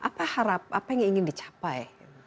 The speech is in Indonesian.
apa harap apa yang ingin dicapai